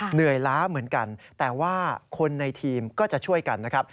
เหนื่อยล้าเหมือนกันแต่ว่าคนในทีมก็จะช่วยกันนะครับ